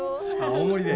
大盛りで？